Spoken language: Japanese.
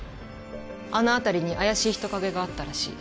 あの辺りに怪しい人影があったらしい。